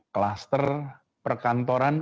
kluster perkantoran menjadi